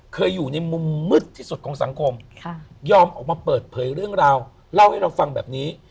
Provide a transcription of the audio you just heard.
อยู่ในมุมมืดที่สุดของสังคมยอมออกมาเปิดเผยเรื่องราวเล่าให้เราฟังแบบนี้